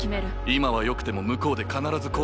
今はよくても向こうで必ず後悔する。